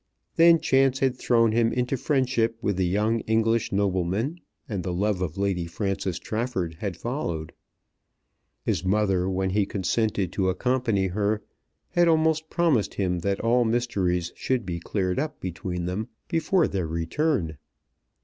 Then chance had thrown him into friendship with the young English nobleman, and the love of Lady Frances Trafford had followed. His mother, when he consented to accompany her, had almost promised him that all mysteries should be cleared up between them before their return.